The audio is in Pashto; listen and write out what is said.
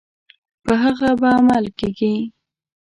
په هغه به عمل کیږي.